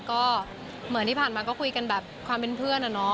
ก็เหมือนที่ผ่านมาก็คุยกันแบบความเป็นเพื่อนอะเนาะ